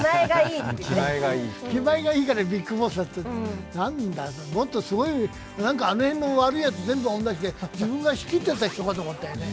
気前がいいからビッグボスって、何だ、もっとすごい、何かあの辺の悪いやつ全部追い出して、自分が仕切ってた人かと思ったよね。